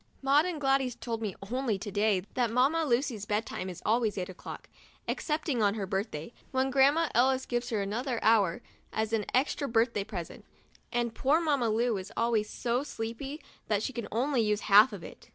Maud and Gladys told me only to day that Mamma Lucy's bed time is always eight o'clock, excepting on her birthday, when Grandma Ellis gives her another hour as an extra birthday present, and poor Mamma Lu is always so sleepy that she can only use half of it.